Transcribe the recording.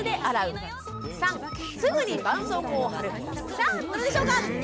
さあどれでしょうか？